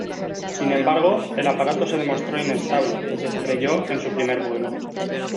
Sin embargo, el aparato se demostró inestable y se estrelló en su primer vuelo.